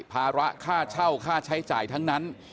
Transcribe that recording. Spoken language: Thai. ภาระค่าเช่าค่าใช้จ่ายทั้งนั้น